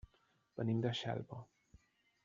Venim de Xelva.